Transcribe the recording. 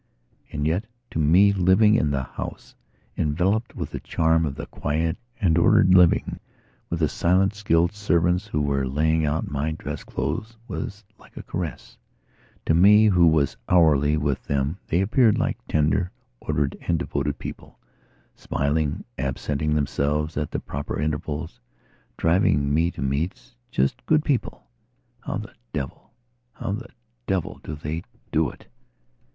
And yet, to me, living in the house, enveloped with the charm of the quiet and ordered living, with the silent, skilled servants whose mere laying out of my dress clothes was like a caressto me who was hourly with them they appeared like tender, ordered and devoted people, smiling, absenting themselves at the proper intervals; driving me to meetsjust good people! How the devilhow the devil do they do it?